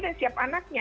dan siap anaknya